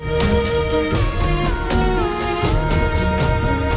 akibatnya satu kumpulan